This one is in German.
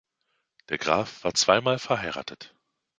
Der Graf war zweimal verheiratet.